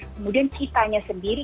kemudian kita tanya sendiri